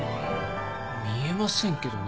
見えませんけどね。